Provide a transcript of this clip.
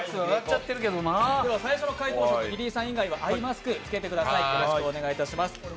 最初の回答者のリリーさん以外はアイマスクを着けてください。